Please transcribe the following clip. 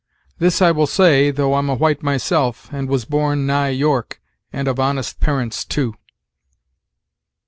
This I will say, though I'm a white myself, and was born nigh York, and of honest parents, too."